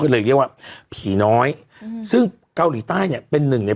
ก็เลยเรียกว่าผีน้อยอืมซึ่งเกาหลีใต้เนี้ยเป็นหนึ่งใน